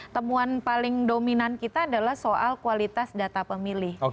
temuan paling dominan kita adalah soal kualitas data pemilih